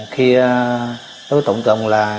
khi đối tượng tùng là